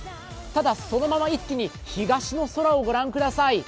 ただ、そのまま一気に東の空をご覧ください。